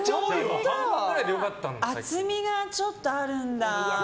厚みがちょっとあるんだ。